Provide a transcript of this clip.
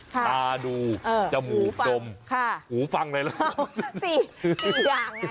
ตาดูจมูกดมหูฟังไหนละ